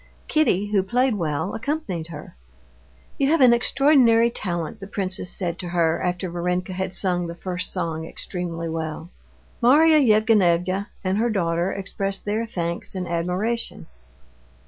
Kitty, who played well, accompanied her. "You have an extraordinary talent," the princess said to her after Varenka had sung the first song extremely well. Marya Yevgenyevna and her daughter expressed their thanks and admiration.